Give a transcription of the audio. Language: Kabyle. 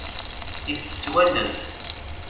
Itett s wallen.